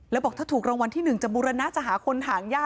แล้วบอกถ้าถูกรางวัลที่๑จะบูรณะจะหาคนหางย่า